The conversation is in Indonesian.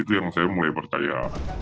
itu yang saya mulai percaya